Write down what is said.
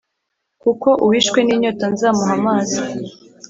kuko uwishwe n’inyota nzamuha amazi,